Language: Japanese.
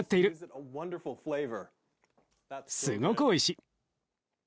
すごくおいしい。